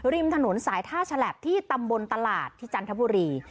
ริมถนนสายท่าฉลับที่ตำบลตลาดที่จันทบุรี